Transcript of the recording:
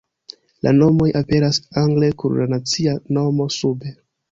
La nomoj aperas angle kun la nacia nomo sube.